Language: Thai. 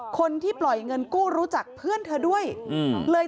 คนที่ปล่อยเงินกู้รู้จักเพื่อนเธอด้วยเลย